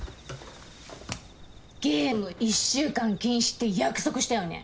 ゲーム１週間禁止って約束したよね？